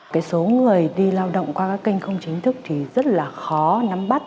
cái số người đi lao động qua các kênh không chính thức thì rất là khó nắm bắt